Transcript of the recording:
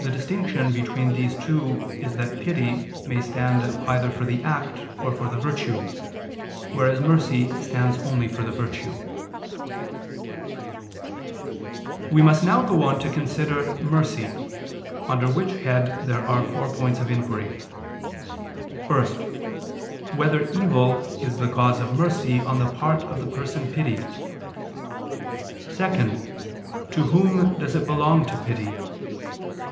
The distinction between these two is that pity may stand either for the act or for the virtue, whereas mercy stands only for the virtue.] (In Four Articles) We must now go on to consider Mercy, under which head there are four points of inquiry: (1) Whether evil is the cause of mercy on the part of the person pitied? (2) To whom does it belong to pity?